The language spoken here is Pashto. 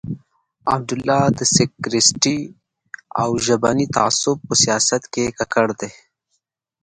عبدالله د سکتریستي او ژبني تعصب په سیاست کې ککړ دی.